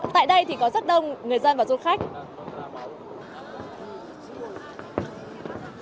tại đây thì có rất đông người dân và du khách